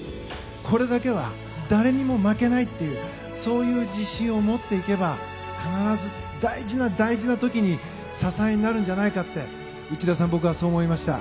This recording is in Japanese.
これだけは誰にも負けないというそういう自信を持っていけば必ず大事な大事な時に支えになるんじゃないかって内田さん、僕はそう思いました。